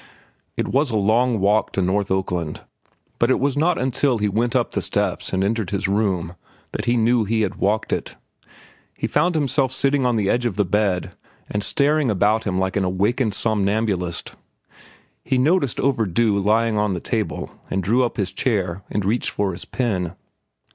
It was a long walk to North Oakland, but it was not until he went up the steps and entered his room that he knew he had walked it. He found himself sitting on the edge of the bed and staring about him like an awakened somnambulist. He noticed "Overdue" lying on the table and drew up his chair and reached for his pen.